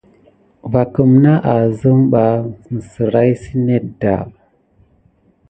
Va kuna nat asumɓa simray si net ɗà.